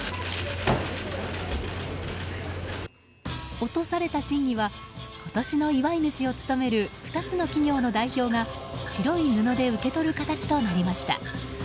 落とされた宝木は今年の祝主を務める２つの企業の代表が白い布で受け取る形となりました。